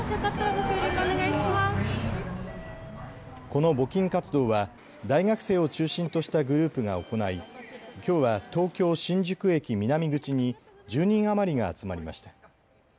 この募金活動は大学生を中心としたグループが行いきょうは東京、新宿駅南口に１０人余りが集まりました。